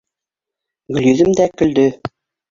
Гөлйөҙөм дә көлдө: